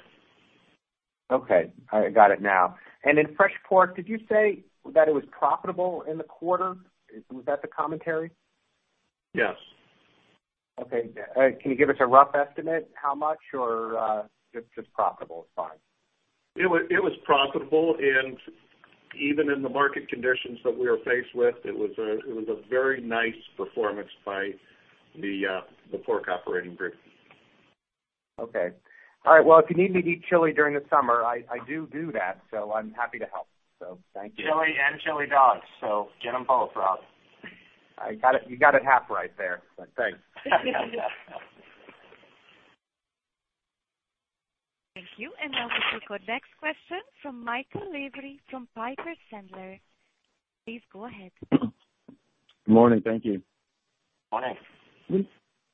S11: Okay. All right. Got it now. In fresh pork, did you say that it was profitable in the quarter? Was that the commentary?
S4: Yes.
S11: Okay. Can you give us a rough estimate? How much? Or just profitable is fine.
S4: It was profitable. Even in the market conditions that we were faced with, it was a very nice performance by the pork operating group.
S11: Okay. All right. If you need me to eat chili during the summer, I do do that. I'm happy to help.
S3: Chili and chili dogs. Get them both, Rob.
S11: You got it half right there. Thanks.
S1: Thank you. Now we take our next question from Michael Lavery, from Piper Sandler. Please go ahead.
S12: Good morning. Thank you.
S3: Morning.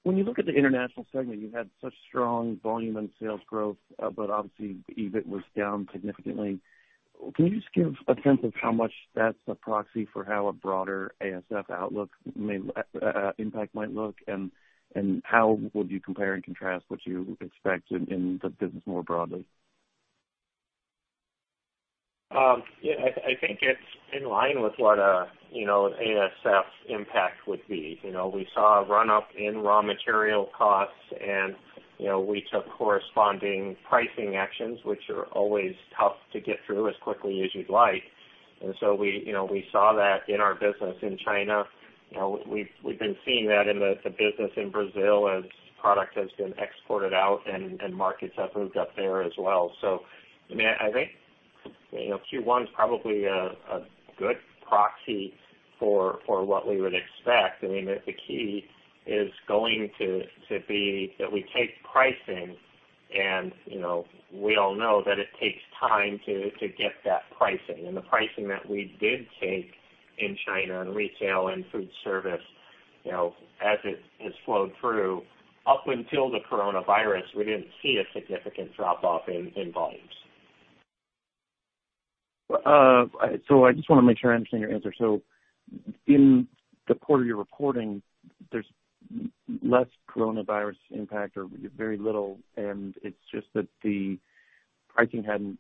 S12: When you look at the international segment, you had such strong volume and sales growth, but obviously, EBIT was down significantly. Can you just give a sense of how much that's a proxy for how a broader ASF outlook impact might look? And how would you compare and contrast what you expect in the business more broadly?
S3: Yeah. I think it's in line with what ASF impact would be. We saw a run-up in raw material costs, and we took corresponding pricing actions, which are always tough to get through as quickly as you'd like. We saw that in our business in China. We've been seeing that in the business in Brazil as product has been exported out and markets have moved up there as well. I mean, I think Q1 is probably a good proxy for what we would expect. I mean, the key is going to be that we take pricing, and we all know that it takes time to get that pricing. And the pricing that we did take in China and retail and food service as it has flowed through, up until the coronavirus, we did not see a significant drop-off in volumes.
S12: I just want to make sure I understand your answer. In the quarter you are reporting, there is less coronavirus impact or very little. It is just that the pricing had not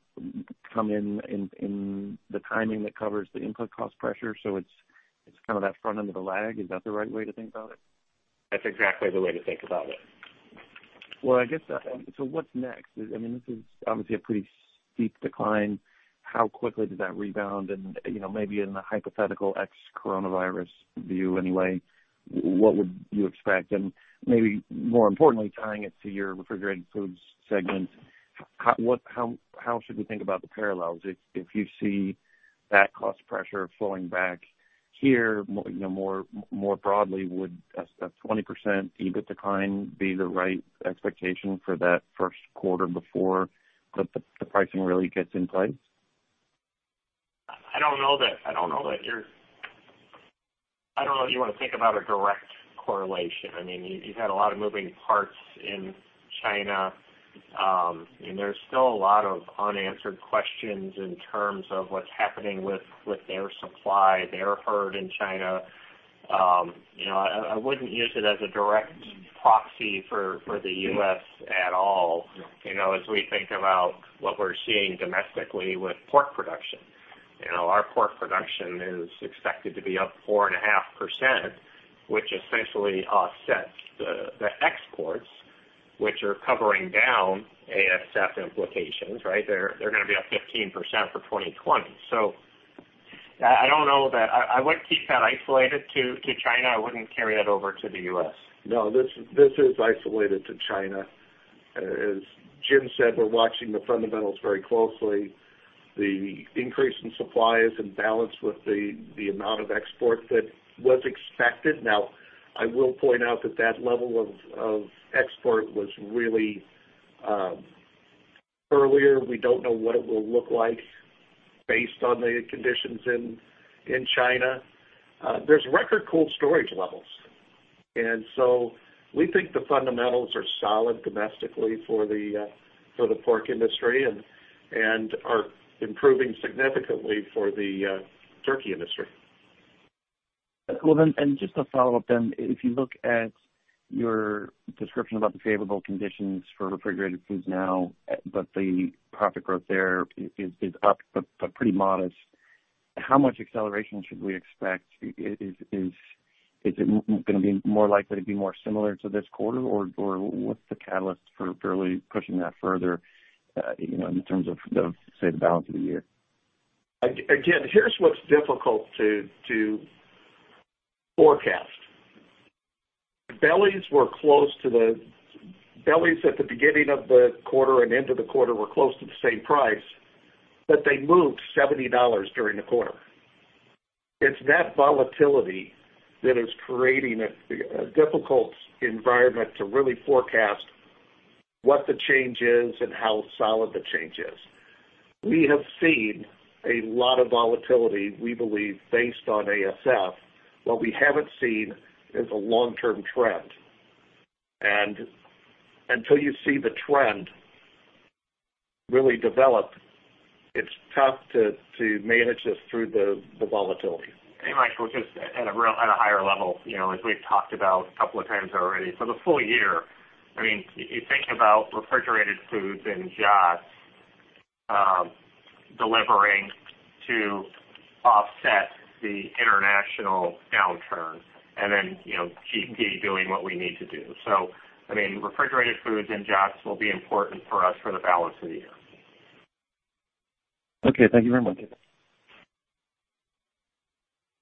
S12: come in in the timing that covers the input cost pressure. It is kind of that front end of the lag. Is that the right way to think about it?
S4: That is exactly the way to think about it.
S12: I guess what is next? I mean, this is obviously a pretty steep decline. How quickly does that rebound? Maybe in the hypothetical ex-coronavirus view anyway, what would you expect? Maybe more importantly, tying it to your refrigerated foods segment, how should we think about the parallels? If you see that cost pressure flowing back here, more broadly, would a 20% EVIT decline be the right expectation for that first quarter before the pricing really gets in place?
S3: I don't know that you want to think about a direct correlation. I mean, you've had a lot of moving parts in China. I mean, there's still a lot of unanswered questions in terms of what's happening with their supply. They're hurt in China. I wouldn't use it as a direct proxy for the U.S. at all as we think about what we're seeing domestically with pork production. Our pork production is expected to be up 4.5%, which essentially offsets the exports, which are covering down ASF implications, right? They're going to be up 15% for 2020. I don't know that I would keep that isolated to China. I wouldn't carry that over to the U.S.
S4: No, this is isolated to China. As Jim said, we're watching the fundamentals very closely. The increase in supply is in balance with the amount of export that was expected. I will point out that that level of export was really earlier. We don't know what it will look like based on the conditions in China. There's record cold storage levels. We think the fundamentals are solid domestically for the pork industry and are improving significantly for the turkey industry.
S12: Just a follow-up then. If you look at your description about the favorable conditions for refrigerated foods now, but the profit growth there is up but pretty modest, how much acceleration should we expect? Is it going to be more likely to be more similar to this quarter? What's the catalyst for really pushing that further in terms of, say, the balance of the year?
S4: Again, here's what's difficult to forecast. The bellies at the beginning of the quarter and end of the quarter were close to the same price, but they moved $70 during the quarter. It's that volatility that is creating a difficult environment to really forecast what the change is and how solid the change is. We have seen a lot of volatility, we believe, based on ASF. What we have not seen is a long-term trend. Until you see the trend really develop, it is tough to manage this through the volatility.
S3: Hey, Michael, just at a higher level, as we have talked about a couple of times already, for the full year, I mean, you think about refrigerated foods and JOSS delivering to offset the international downturn and then GP doing what we need to do. I mean, refrigerated foods and JOSS will be important for us for the balance of the year.
S12: Okay. Thank you very much.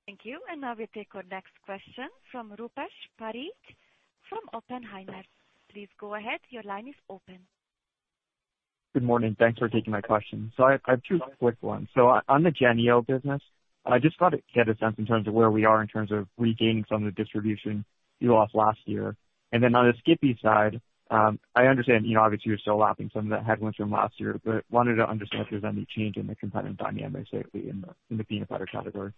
S1: Thank you. Now we take our next question from Rupesh Parikh from Oppenheimer. Please go ahead. Your line is open.
S13: Good morning. Thanks for taking my question. I have two quick ones. On the JENNIE-O business, I just thought I'd get a sense in terms of where we are in terms of regaining some of the distribution you lost last year. And then on the Skippy side, I understand, obviously, you're still lapping some of that headwinds from last year, but wanted to understand if there's any change in the component dynamics in the peanut butter category.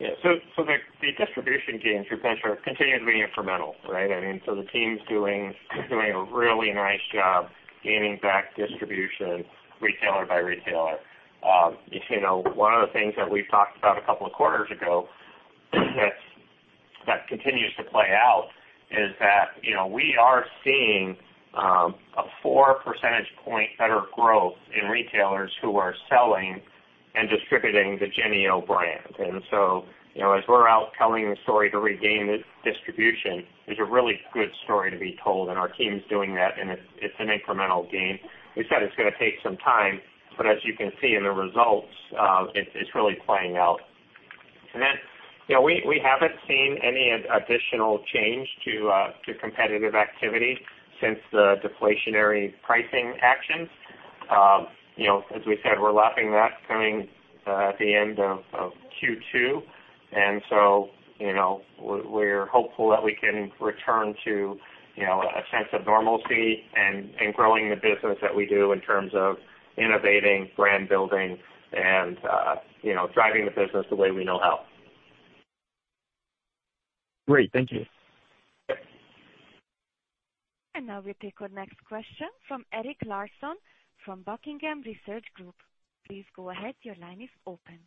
S3: Yeah. The distribution gains, Rupesh, are continuously incremental, right? I mean, the team's doing a really nice job gaining back distribution, retailer by retailer. One of the things that we've talked about a couple of quarters ago that continues to play out is that we are seeing a 4 percentage point better growth in retailers who are selling and distributing the JENNIE-O brand. As we're out telling the story to regain distribution, it's a really good story to be told, and our team's doing that, and it's an incremental gain. We said it's going to take some time, but as you can see in the results, it's really playing out. We haven't seen any additional change to competitive activity since the deflationary pricing actions. As we said, we're lapping that coming at the end of Q2. We're hopeful that we can return to a sense of normalcy and growing the business that we do in terms of innovating, brand building, and driving the business the way we know how.
S13: Great. Thank you.
S1: Now we take our next question from Eric Larson from Buckingham Research Group. Please go ahead. Your line is open.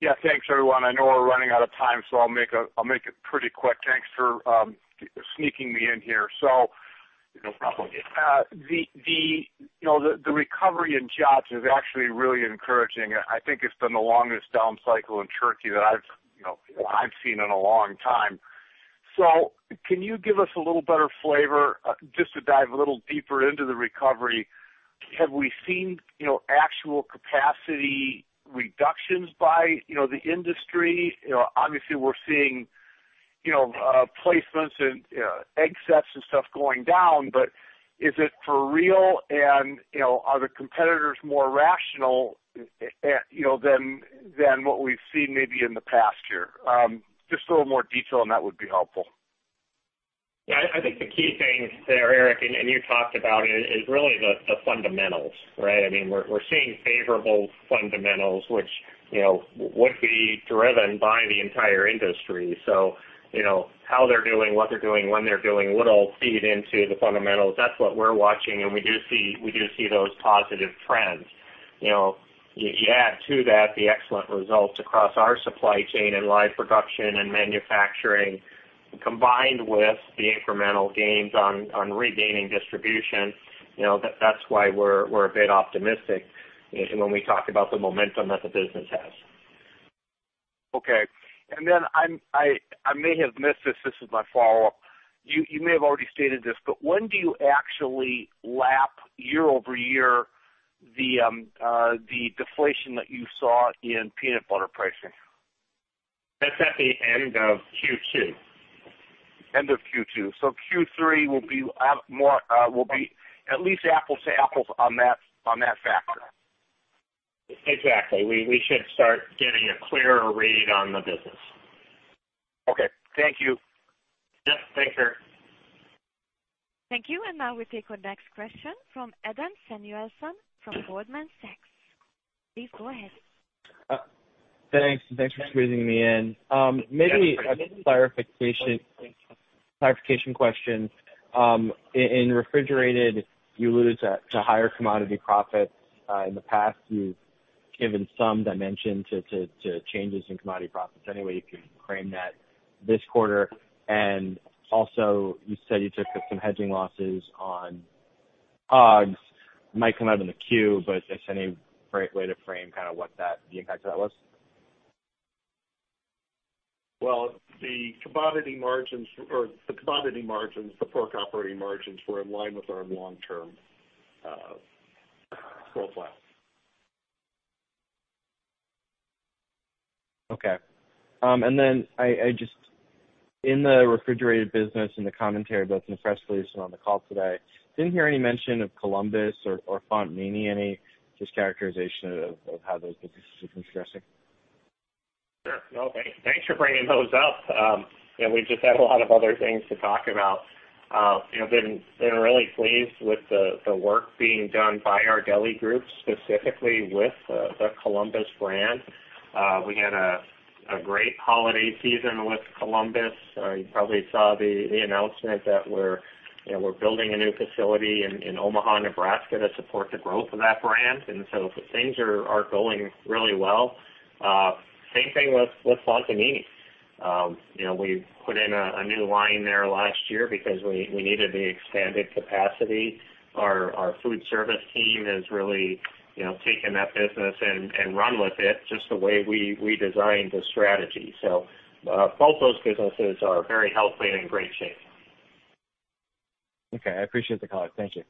S14: Yeah. Thanks, everyone. I know we're running out of time, so I'll make it pretty quick. Thanks for sneaking me in here. The recovery in JENNIE-O is actually really encouraging. I think it's been the longest down cycle in turkey that I've seen in a long time. Can you give us a little better flavor, just to dive a little deeper into the recovery? Have we seen actual capacity reductions by the industry? Obviously, we're seeing placements and egg sets and stuff going down, but is it for real? Are the competitors more rational than what we've seen maybe in the past year? Just a little more detail on that would be helpful.
S3: Yeah. I think the key thing there, Eric, and you talked about it, is really the fundamentals, right? I mean, we're seeing favorable fundamentals, which would be driven by the entire industry. How they're doing, what they're doing, when they're doing, what all feed into the fundamentals. That's what we're watching, and we do see those positive trends. You add to that the excellent results across our supply chain and live production and manufacturing, combined with the incremental gains on regaining distribution. That's why we're a bit optimistic when we talk about the momentum that the business has.
S14: Okay. I may have missed this. This is my follow-up. You may have already stated this, but when do you actually lap year over year the deflation that you saw in peanut butter pricing?
S3: That's at the end of Q2.
S14: End of Q2. Q3 will be at least apples to apples on that factor.
S3: Exactly. We should start getting a clearer read on the business.
S14: Okay. Thank you.
S1: Thank you. We take our next question from Adam Samuelson from Goldman Sachs. Please go ahead.
S15: Thanks. Thanks for squeezing me in. Maybe a clarification question. In refrigerated, you alluded to higher commodity profits. In the past, you've given some dimension to changes in commodity profits. Anyway, if you frame that this quarter. Also, you said you took some hedging losses on hogs. Might come out in the Q, but is there any way to frame kind of what the impact of that was?
S4: The commodity margins or the commodity margins, the pork operating margins were in line with our long-term profile.
S15: Okay. In the refrigerated business and the commentary about the Nespresso solution on the call today, did not hear any mention of Columbus or Fontanini. Any just characterization of how those businesses have been progressing?
S3: Sure. Thanks for bringing those up. We just had a lot of other things to talk about. Been really pleased with the work being done by our deli group, specifically with the Columbus brand. We had a great holiday season with Columbus. You probably saw the announcement that we're building a new facility in Omaha, Nebraska, to support the growth of that brand. Things are going really well. Same thing with Fontanini. We put in a new line there last year because we needed the expanded capacity. Our food service team has really taken that business and run with it just the way we designed the strategy. Both those businesses are very healthy and in great shape.
S15: Okay. I appreciate the call. Thank you.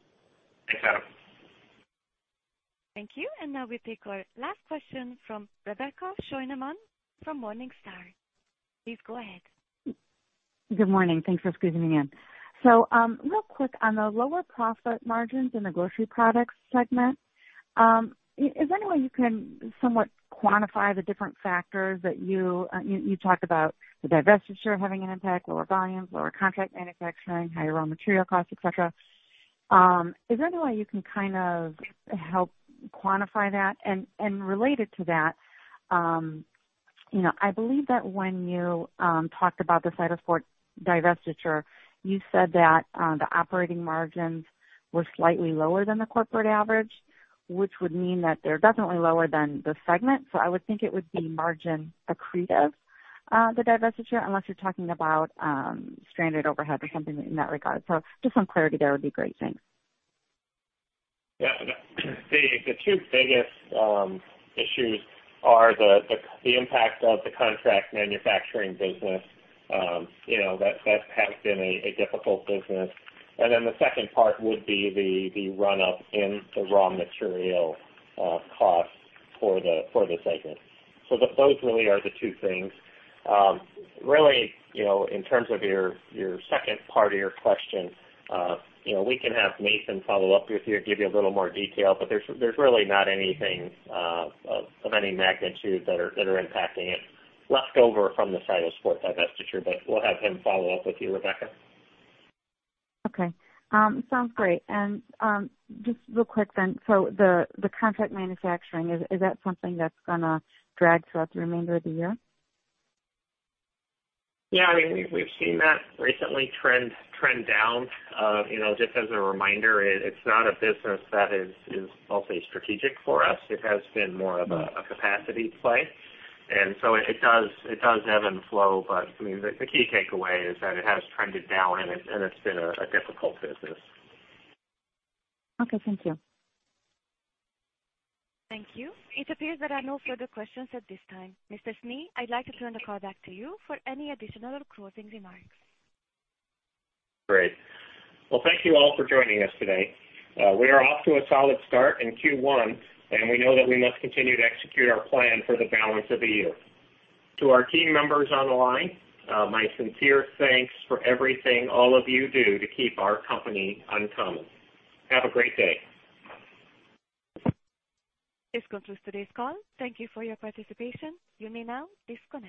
S3: Thanks, Adam.
S1: Thank you. Now we take our last question from Rebecca Schoenemann from Morningstar. Please go ahead.
S16: Good morning. Thanks for squeezing me in. Real quick on the lower profit margins in the grocery products segment, is there any way you can somewhat quantify the different factors that you talked about? The divestiture having an impact, lower volumes, lower contract manufacturing, higher raw material costs, etc. Is there any way you can kind of help quantify that? Related to that, I believe that when you talked about the CytoSport divestiture, you said that the operating margins were slightly lower than the corporate average, which would mean that they're definitely lower than the segment. I would think it would be margin accretive, the divestiture, unless you're talking about stranded overhead or something in that regard. Just some clarity there would be great. Thanks.
S3: Yeah. The two biggest issues are the impact of the contract manufacturing business. That has been a difficult business. Then the second part would be the run-up in the raw material costs for the segment. Those really are the two things. Really, in terms of your second part of your question, we can have Nathan follow up with you and give you a little more detail, but there's really not anything of any magnitude that are impacting it left over from the CytoSport divestiture, but we'll have him follow up with you, Rebecca.
S16: Okay. Sounds great. Just real quick then, so the contract manufacturing, is that something that's going to drag throughout the remainder of the year?
S3: Yeah. I mean, we've seen that recently trend down. Just as a reminder, it's not a business that is, I'll say, strategic for us. It has been more of a capacity play. It does ebb and flow, but I mean, the key takeaway is that it has trended down, and it's been a difficult business.
S16: Okay. Thank you.
S1: Thank you. It appears that I have no further questions at this time. Mr. Snee, I'd like to turn the call back to you for any additional closing remarks.
S3: Great. Thank you all for joining us today. We are off to a solid start in Q1, and we know that we must continue to execute our plan for the balance of the year. To our team members on the line, my sincere thanks for everything all of you do to keep our company uncommon. Have a great day.
S1: This concludes today's call. Thank you for your participation. You may now disconnect.